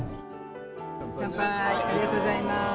乾杯、ありがとうございます。